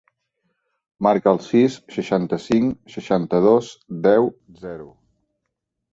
Marca el sis, seixanta-cinc, seixanta-dos, deu, zero.